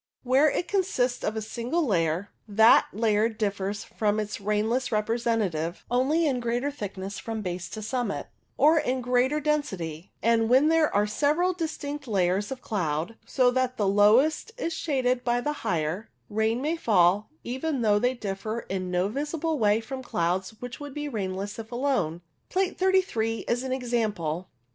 Where it consists of a single layer, that layer differs from its rainless representative only in greater thickness from base to summit, or in greater density ; and when there are several distinct layers 76 LOWER CLOUDS of cloud, so that the lowest is shaded by the higher, rain may fall, even though they differ in no visible way from clouds which would be rainless if alone. Plate 33 is an example.